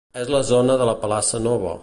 És la zona de la Plaça Nova.